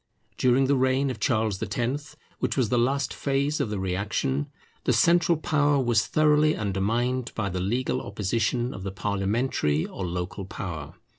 During the reign of Charles X, which was the last phase of the reaction, the central power was thoroughly undermined by the legal opposition of the parliamentary or local power.